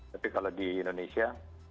tapi kalau di indonesia